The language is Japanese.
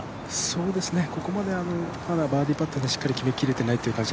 ここまでバーディーパットでしっかり決め切れてないっていう感じ